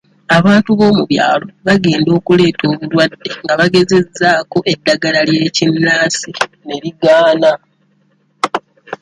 Abantu b'omubyalo bagenda okuleeta omulwadde nga bagezezzaako eddagala ly'ekinnansi ne ligaanye.